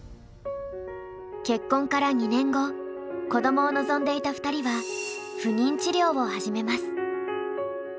結婚から２年後子どもを望んでいた２人は不妊治療を始めます。